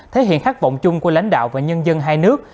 thể hiện khát vọng chung của lãnh đạo và nhân dân hai nước